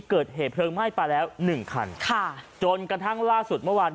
เกิดเหตุเพลิงไหม้ไปแล้วหนึ่งคันค่ะจนกระทั่งล่าสุดเมื่อวาน